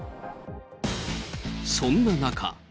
そんな中。